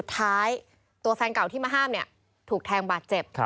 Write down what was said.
ตัวแฟนเก่าที่มาห้ามเนี่ยถูกแทงบาดเจ็บ